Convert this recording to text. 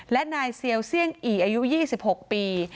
และนายเซียลเสี้ยงอีอายุยี่สิบหกปี